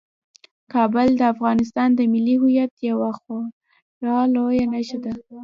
کابل د افغانستان د ملي هویت یوه خورا لویه نښه ده.